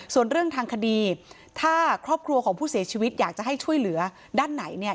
ส่วนเรื่องทางคดีถ้าครอบครัวของผู้เสียชีวิตอยากจะให้ช่วยเหลือด้านไหนเนี่ย